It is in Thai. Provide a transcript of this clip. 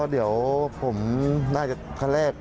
ก็เดี๋ยวผมน่าจะทั้งแรก